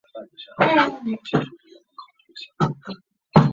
从九位为日本官阶的一种。